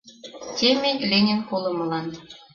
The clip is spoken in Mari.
Теме Ленин колымылан.